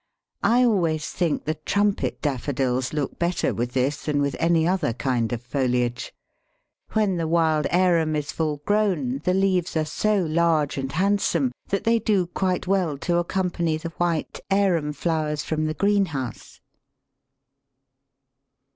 I always think the trumpet Daffodils look better with this than with any other kind of foliage. When the wild Arum is full grown the leaves are so large and handsome that they do quite well to accompany the white Arum flowers from the greenhouse.